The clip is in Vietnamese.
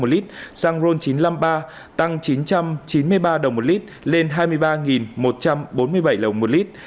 một lít xăng ron chín trăm năm mươi ba tăng chín trăm chín mươi ba đồng một lít lên hai mươi ba một trăm bốn mươi bảy đồng một lít